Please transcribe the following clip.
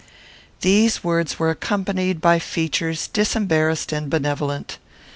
These words were accompanied by features disembarrassed and benevolent.